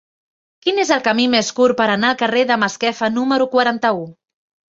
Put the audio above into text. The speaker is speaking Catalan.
Quin és el camí més curt per anar al carrer de Masquefa número quaranta-u?